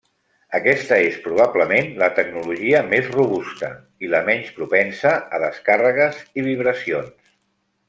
Aquesta és probablement la tecnologia més robusta, i la menys propensa a descàrregues i vibracions.